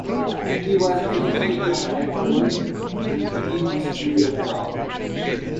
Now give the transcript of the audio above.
He was educated at home, and began the study of law.